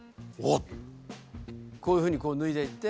こういうふうにこう脱いでいって。